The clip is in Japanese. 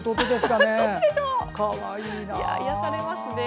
癒やされますね。